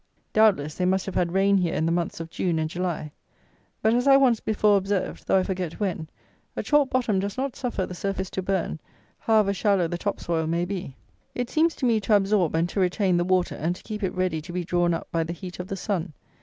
Doubtless they must have had rain here in the months of June and July; but, as I once before observed (though I forget when) a chalk bottom does not suffer the surface to burn, however shallow the top soil may be. It seems to me to absorb and to retain the water, and to keep it ready to be drawn up by the heat of the sun.